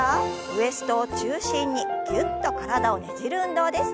ウエストを中心にぎゅっと体をねじる運動です。